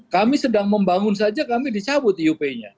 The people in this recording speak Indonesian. kami sedang membangun saja kami dicabut iup nya